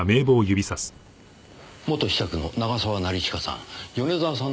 元子爵の永沢成親さん。